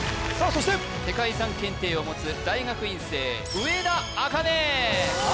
そして世界遺産検定を持つ大学院生上田茜